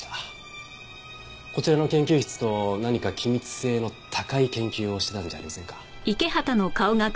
こちらの研究室と何か機密性の高い研究をしてたんじゃありませんか？